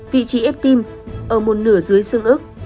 vị trí ép tim ở một nửa dưới xương ức